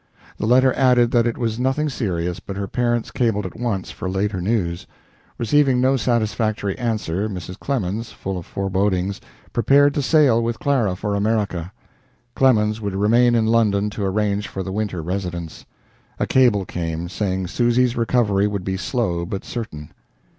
The letter added that it was nothing serious, but her parents cabled at once for later news. Receiving no satisfactory answer, Mrs. Clemens, full of forebodings, prepared to sail with Clara for America. Clemens would remain in London to arrange for the winter residence. A cable came, saying Susy's recovery would be slow but certain.